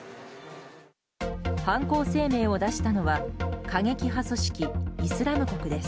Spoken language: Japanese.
犯行声明を出したのは過激派組織イスラム国です。